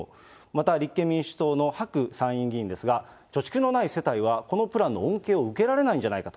また立憲民主党の白参議院議員ですが、貯蓄のない世帯はこのプランの恩恵を受けられないんじゃないか。